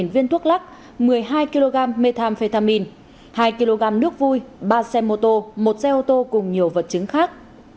một mươi viên thuốc lắc một mươi hai kg methamphetamine hai kg nước vui ba xe mô tô một xe ô tô cùng nhiều vật chứng khác